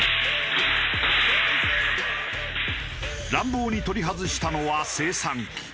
乱暴に取り外したのは精算機。